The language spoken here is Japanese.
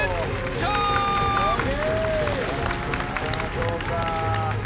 そうか。